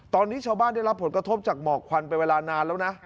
ตอนนี้ชาวบ้านได้รับผลกระทบจากหมอกควันไปเวลานานแล้วนะ